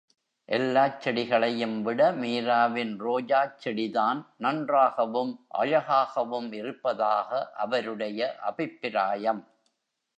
எல்லாச் செடிகளையும் விட மீராவின் ரோஜாச் செடிதான் நன்றாகவும் அழகாகவும் இருப்பதாக அவருடைய அபிப்பிராயம்.